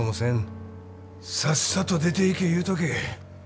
さっさと出ていけ言うとけ。